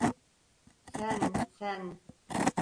Sen… sen…